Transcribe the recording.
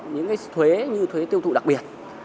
những cái thuế như thuế tiêu thụ đặc biệt